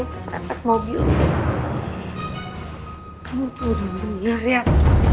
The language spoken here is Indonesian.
kamu tuh udah mulia rian